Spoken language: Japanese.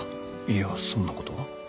いやそんなことは。